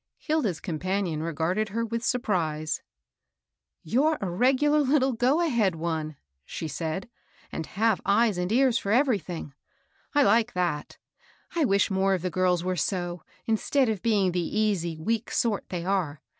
Hilda's companion r^arded her with surprise. *' You're a regular little go ahead one," she said, " and have eyes and ears for everything. I like that. I wish more of the girls were so, instead of being the easy, weak sort they are.